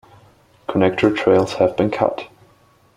Connector trails have been cut.